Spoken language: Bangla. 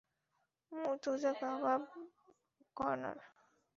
মুরতোজা কাবাব কর্নার।